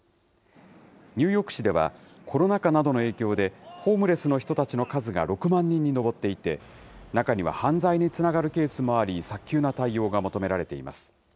ニューヨーク市では、コロナ禍などの影響で、ホームレスの人たちの数が６万人に上っていて、中には犯罪につながるケースもあり、早急な対応が求められています。